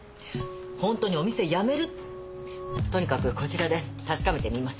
ホントにお店辞めるとにかくこちらで確かめてみます。